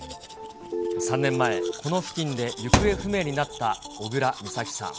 ３年前、この付近で行方不明になった小倉美咲さん。